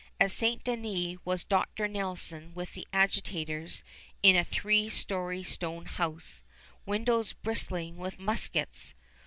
At St. Denis was Dr. Nelson with the agitators in a three story stone house, windows bristling with muskets.